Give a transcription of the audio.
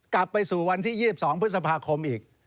กลับไปสู่วันที่๒๒พฤษภาคมอีก